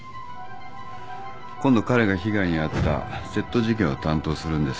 今度彼が被害に遭った窃盗事件を担当するんです。